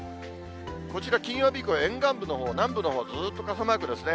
こちら金曜日以降、沿岸部のほう、南部のほう、ずーっと傘マークですね。